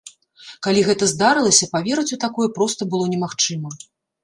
Калі гэта здарылася, паверыць у такое проста было немагчыма.